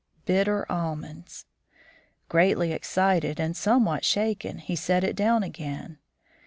Bitter almonds! Greatly excited and somewhat shaken, he set it down again.